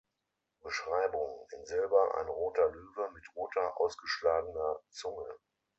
Beschreibung: In Silber ein roter Löwe mit roter ausgeschlagener Zunge.